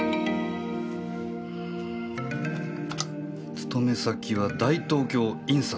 勤め先は大東京印刷。